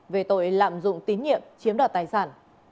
về tội lạm dụng tín nhiệm chiếm đoạt tài sản